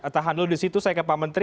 tahan dulu disitu saya ke pak menteri